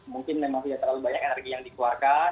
mungkin memang tidak terlalu banyak energi yang dikeluarkan